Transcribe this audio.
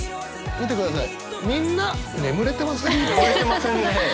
見てください。